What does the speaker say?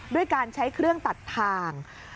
ด้วยการใช้เครื่องตัดทาง